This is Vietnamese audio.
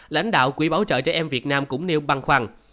lãnh đạo quỹ bảo trợ trẻ em việt nam cũng nêu băng khoăn